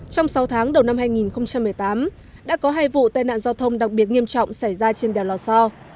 trong sáu tháng đầu năm hai nghìn một mươi tám đã có hai vụ tai nạn giao thông đặc biệt nghiêm trọng xảy ra trên đèo lò so